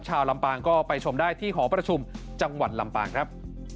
ลำปางก็ไปชมได้ที่หอประชุมจังหวัดลำปางครับ